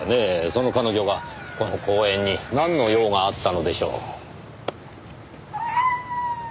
その彼女がこの公園になんの用があったのでしょう？